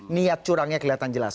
niat curangnya kelihatan jelas